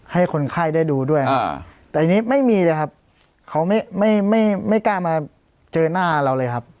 ให้คนไข้ได้ดูด้วยแต่อันนี้ไม่มีเลยครับเขาไม่ไม่กล้ามาเจอหน้าเราเลยครับ